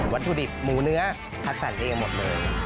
วัตถุดิบหมูเนื้อคัดสรรเองหมดเลย